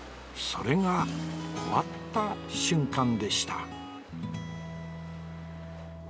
それが終わった瞬間でした